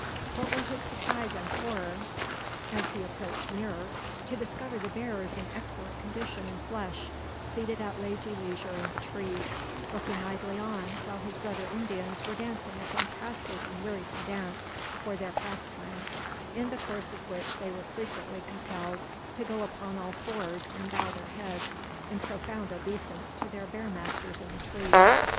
What were his surprise and horror, as he approached nearer, to discover the bears in excellent condition and flesh, seated at lazy leisure in the trees, looking idly on while his brother Indians were dancing a fantastic and wearisome dance, for their pastime, in the course of which they were frequently compelled to go upon all fours and bow their heads in profound obeisance to their bear masters in the trees.